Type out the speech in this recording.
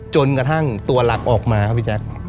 จนกระทั่งตัวหลักออกมาครับพี่แจ๊ค